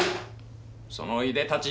そのいでたち